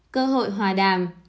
cơ hội hòa đàm